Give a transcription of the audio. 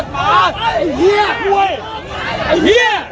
เฮียเฮีย